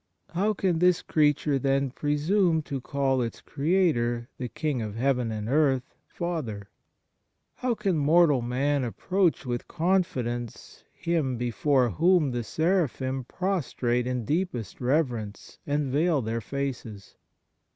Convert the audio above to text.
How can this creature, then, presume to call its Creator, the King of heaven and earth, Father ? How can mortal man approach with confidence Him before whom the seraphim prostrate in deepest reverence and veil their faces